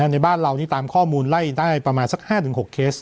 ในบ้านเรานี่ตามข้อมูลไล่ได้ประมาณสัก๕๖เคส